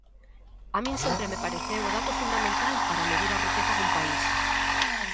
A min sempre me pareceu o dato fundamental para medir a riqueza dun país.